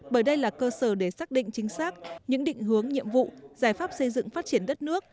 bởi đây là cơ sở để xác định chính xác những định hướng nhiệm vụ giải pháp xây dựng phát triển đất nước